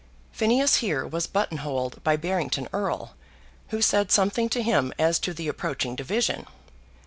Phineas here was button holed by Barrington Erle, who said something to him as to the approaching division.